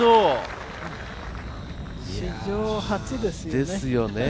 史上初ですよね。